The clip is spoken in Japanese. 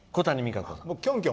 キョンキョン